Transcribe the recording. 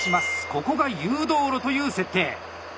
ここが誘導路という設定。